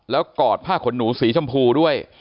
แล้วกอดผ้าขนหนูสีชมพูด้วย